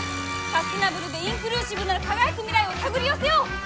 サステナブルでインクルーシブな輝く未来を手繰り寄せよう！